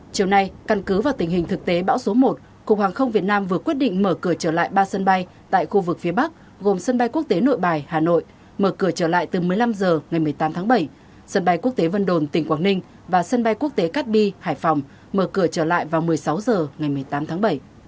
chiều nay căn cứ vào tình hình thực tế bão số một cục hàng không việt nam vừa quyết định mở cửa trở lại ba sân bay tại khu vực phía bắc gồm sân bay quốc tế nội bài hà nội mở cửa trở lại từ một mươi năm h ngày một mươi tám tháng bảy sân bay quốc tế vân đồn tỉnh quảng ninh và sân bay quốc tế cát bi hải phòng mở cửa trở lại vào một mươi sáu h ngày một mươi tám tháng bảy